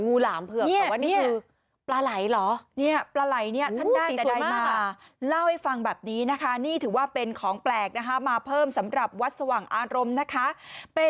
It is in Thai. แต่เอาอย่างเหมือนงูหลามเผือกแต่ว่านี่คือ